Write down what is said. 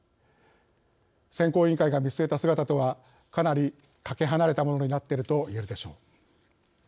選考委員会が見据えた姿とはかなり、かけ離れたものになっているといえるでしょう。